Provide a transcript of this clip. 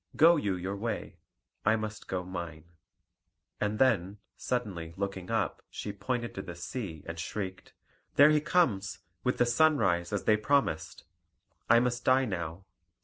Go you your way; I must go mine." And then, suddenly looking up, she pointed to the sea, and shrieked: "There he comes, with the sunrise, as they promised. I must die now.